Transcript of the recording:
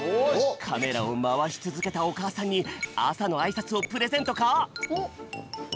カメラをまわしつづけたおかあさんに朝のあいさつをプレゼントか！？